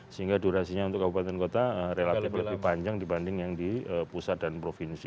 sehingga durasinya untuk kabupaten kota relatif lebih panjang dibanding yang di pusat dan provinsi